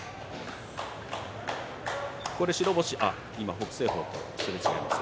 北青鵬とすれ違います。